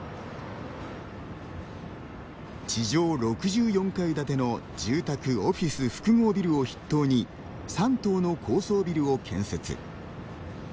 地上６４階建ての住宅・オフィス複合ビルを筆頭に３棟の高層ビルを建設。